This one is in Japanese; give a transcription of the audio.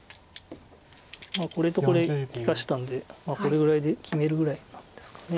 これとこれ利かしたんでこれぐらいで決めるぐらいなんですかね。